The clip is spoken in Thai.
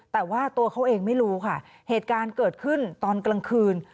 แต่ว่าตัวเขาเองไม่รู้ค่ะเหตุการณ์เกิดขึ้นตอนกลางคืน